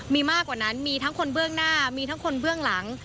มีมากกว่านั้นมีทั้งคนเบื้องหน้ามีทั้งคนเบื้องหลัง